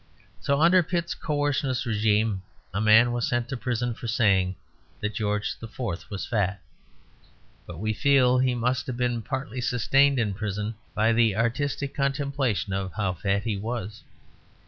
So, under Pitt's coercionist régime, a man was sent to prison for saying that George IV. was fat; but we feel he must have been partly sustained in prison by the artistic contemplation of how fat he was.